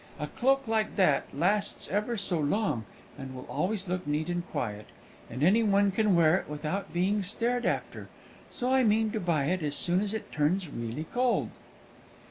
A cloak like that lasts ever so long, and will always look neat and quiet; and any one can wear it without being stared after; so I mean to buy it as soon as it turns really cold."